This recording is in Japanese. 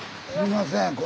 すいません。